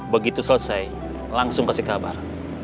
begitu selesai langsung kasih kabar